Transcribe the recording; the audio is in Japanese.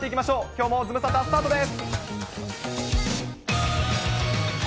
きょうもズムサタスタートです。